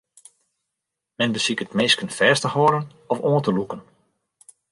Men besiket minsken fêst te hâlden of oan te lûken.